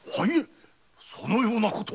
そのようなことは！